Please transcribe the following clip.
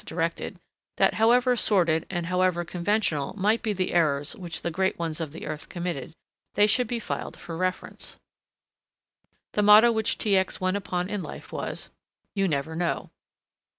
directed, that, however sordid and however conventional might be the errors which the great ones of the earth committed, they should be filed for reference. The motto which T. X. went upon in life was, "You never know."